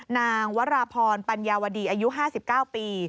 นางวราพรปัญญาวดีอายุ๕๙ปี